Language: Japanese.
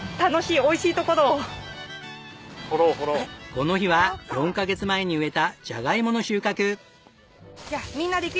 この日は４カ月前に植えたジャガイモの収穫。